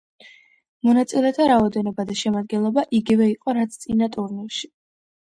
მონაწილეთა რაოდენობა და შემადგენლობა იგივე იყო რაც წინა ტურნირში.